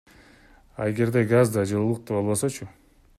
А эгерде газ да, жылуулук да болбосочу?